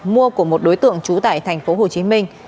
mua của một đối tượng trú tại thành phố hồ chí minh